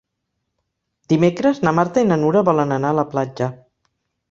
Dimecres na Marta i na Nura volen anar a la platja.